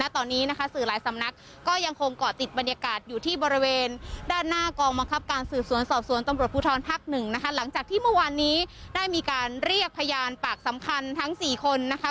ที่เมื่อวานนี้ได้มีการเรียกพยานปากสำคัญทั้งสี่คนนะคะ